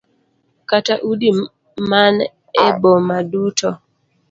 Kata udi man e boma duto.